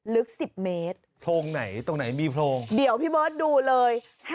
ลึก๑๐เมตรโพรงไหนตรงไหนมีโพรงเดี๋ยวพี่เบิร์ตดูเลย